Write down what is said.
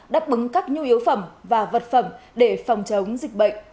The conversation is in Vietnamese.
đáp ứng các nhu yếu phẩm và vật phẩm để phòng chống dịch bệnh